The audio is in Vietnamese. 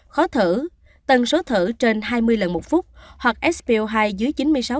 khó thở tần số thở trên hai mươi lần một phút hoặc sp hai dưới chín mươi sáu